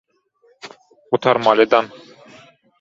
Gutarmalydam.